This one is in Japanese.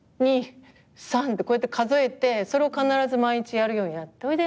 １２３ってこうやって数えてそれを必ず毎日やるようになって。